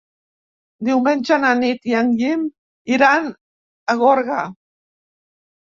Diumenge na Nit i en Guim iran a Gorga.